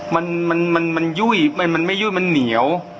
มันมันยุ่ยมันไม่ยุ่ยมันเหนียว